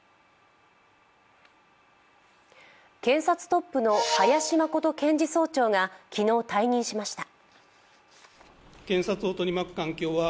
検察トップの林真琴検事総長が昨日、退任しました。